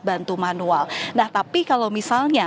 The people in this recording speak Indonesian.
bantu manual nah tapi kalau misalnya